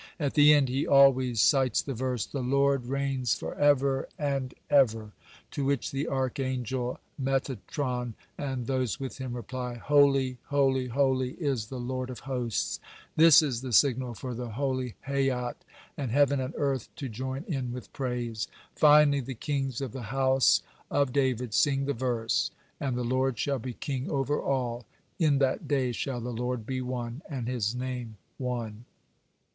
At the end he always cites the verse: "The Lord reigns forever and ever," to which the archangel Metatron and those with him reply: "Holy, holy, holy, is the Lord of hosts!" This is the signal for the holy Hayyot and heaven and earth to join in with praise. Finally the kings of the house of David sing the verse: "And the Lord shall be king over all; in that day shall the Lord be one, and His name one."